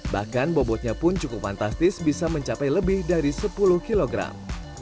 bahkan bobotnya pun cukup fantastis bisa mencapai lebih dari sepuluh kilogram